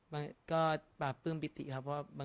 เปลี่ยนกระปลึงปริติครับ